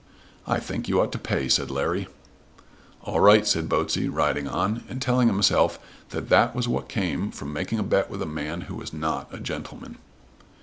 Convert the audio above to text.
"I think you ought to pay," said Larry. "All right," said Botsey riding on, and telling himself that that was what came from making a bet with a man who was not a gentleman.